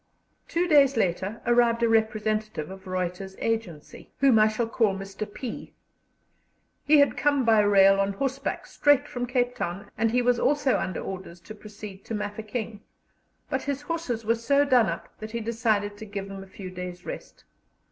Two days later arrived a representative of Reuter's Agency, whom I shall call Mr. P. He had come by rail and horseback straight from Cape Town and he was also under orders to proceed to Mafeking; but his horses were so done up that he decided to give them a few days' rest.